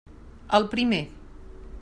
El primer.